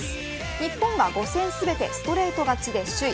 日本が５戦全てストレート勝ちで首位。